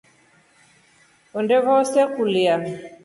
Honde vose kulya.